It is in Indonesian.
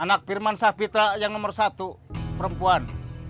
anak firman sapitra yang nomor satu perempuan